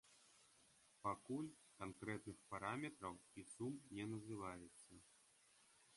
Пакуль канкрэтных параметраў і сум не называецца.